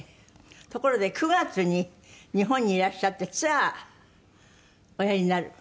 ところで９月に日本にいらっしゃってツアーおやりになる。